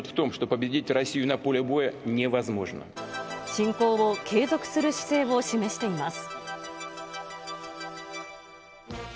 侵攻を継続する姿勢を示しています。